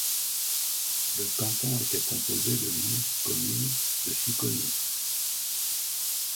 Le canton était composé de l'unique commune de Chiconi.